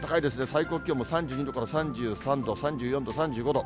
最高気温も３２度から３３度、３４度、３５度。